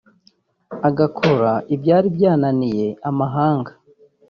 agakora ibyari byananiye amahanga